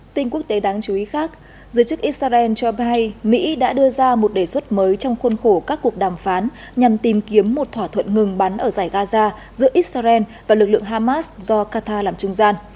tin quốc tế đáng chú ý khác giới chức israel cho bày mỹ đã đưa ra một đề xuất mới trong khuôn khổ các cuộc đàm phán nhằm tìm kiếm một thỏa thuận ngừng bắn ở giải gaza giữa israel và lực lượng hamas do qatar làm trung gian